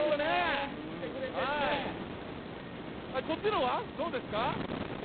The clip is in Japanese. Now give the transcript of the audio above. こちらは、どうですか？